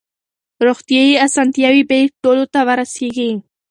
روغتیايي اسانتیاوې باید ټولو ته ورسیږي.